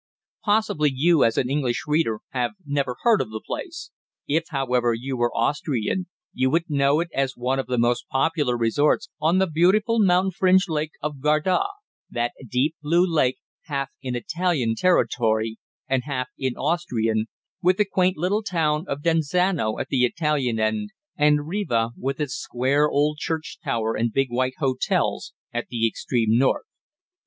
Possibly you, as an English reader, have never heard of the place. If, however, you were Austrian, you would know it as one of the most popular resorts on the beautiful mountain fringed Lake of Garda, that deep blue lake, half in Italian territory and half in Austrian, with the quaint little town of Desenzano at the Italian end, and Riva, with its square old church tower and big white hotels, at the extreme north.